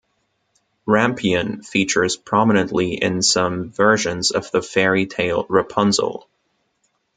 Rampion features prominently in some versions of the fairy tale Rapunzel.